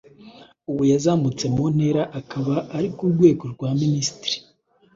ubu yazamutse mu ntera akaba ari ku rwego rwa minisitiri.